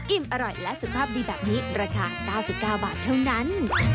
อิ่มอร่อยและสุขภาพดีแบบนี้ราคา๙๙บาทเท่านั้น